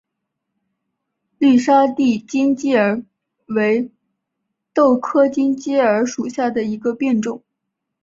绿沙地锦鸡儿为豆科锦鸡儿属下的一个变种。